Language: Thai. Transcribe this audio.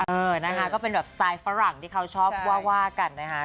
เออนะคะก็เป็นแบบสไตล์ฝรั่งที่เขาชอบว่ากันนะคะ